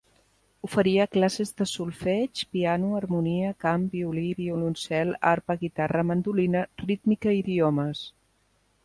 Oferia classes de solfeig, piano, harmonia, cant, violí, violoncel, arpa, guitarra, mandolina, rítmica i idiomes.